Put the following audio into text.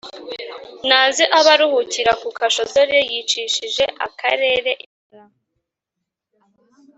naze abe aruhukira mu kasho dore yicishije akarere inzara"